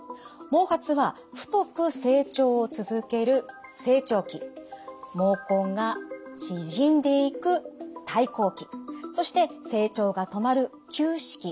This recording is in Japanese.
毛髪は太く成長を続ける成長期毛根が縮んでいく退行期そして成長が止まる休止期